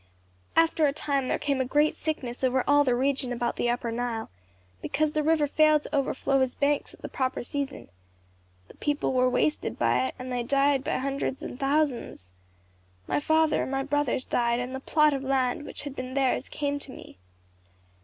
After a time, there came a great sickness over all the region about the upper Nile, because the river failed to overflow his banks at the proper season. The people were wasted by it, and they died by hundreds and by thousands. My father and my brothers died; and the plot of land which had been theirs came to me.